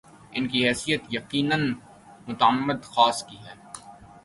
‘ ان کی حیثیت یقینا معتمد خاص کی ہے۔